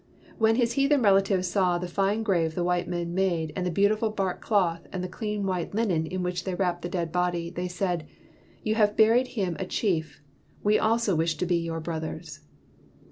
When his heathen relatives saw the fine grave the white men made and the beautiful bark cloth and the clean white linen in which they wrapped the dead body, they said: "You have buried him a chief; we also wish to be your brothers."